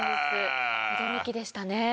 驚きでしたね。